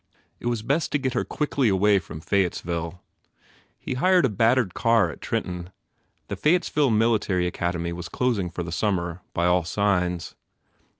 It was best to get her quickly away from Fayettes ville. He hired a battered car at Trenton. The Fayettesville Military Academy was closing for the summer, by all signs.